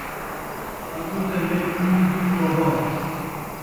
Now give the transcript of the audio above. اڳوں تے میݙے پیو دی توبہ